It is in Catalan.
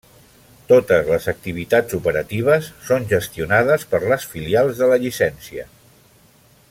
Totes les activitats operatives són gestionades per les filials de la llicència.